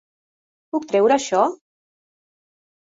Puc treure això?